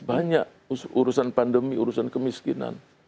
banyak urusan pandemi urusan kemiskinan